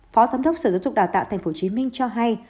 phó giám đốc sở giáo dục đào tạo tp hcm cho hay